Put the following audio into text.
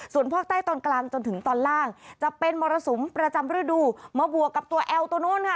ส่วนภาคใต้ตอนกลางจนถึงตอนล่างจะเป็นมรสุมประจำฤดูมาบวกกับตัวแอลตัวนู้นค่ะ